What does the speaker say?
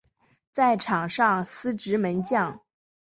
在场上司职门将。